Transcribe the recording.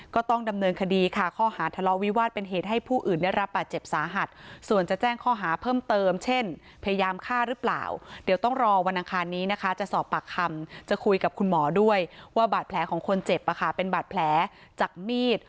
ก็ต้องดำเนินคดีค่าข้อหาทะเลาวิวาสเป็นเหตุให้ผู้อื่นได้รับบาดเจ็บสาหัส